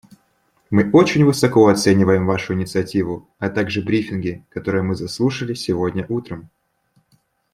Мы очень высоко оцениваем Вашу инициативу, а также брифинги, которые мы заслушали сегодня утром.